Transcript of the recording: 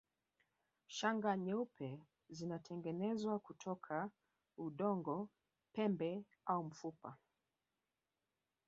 Shanga nyeupe zilitengenezwa kutoka udongo pembe au mfupa